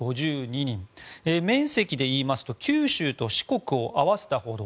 面積で言いますと九州と四国を合わせたほど。